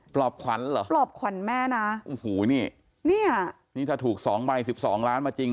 ปลอบขวัญเหรอปลอบขวัญแม่นะโอ้โหนี่เนี่ยนี่ถ้าถูกสองใบสิบสองล้านมาจริง